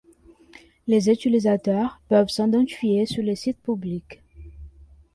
Les utilisateurs peuvent s'identifier sur le site public.